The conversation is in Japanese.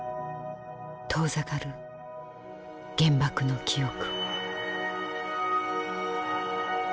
遠ざかる原爆の記憶。